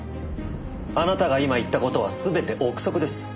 あなたが今言った事は全て憶測です。